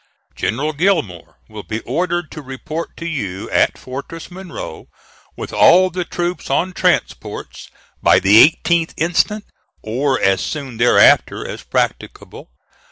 "General Gillmore will be ordered to report to you at Fortress Monroe, with all the troops on transports, by the 18th instant, or as soon thereafter as practicable.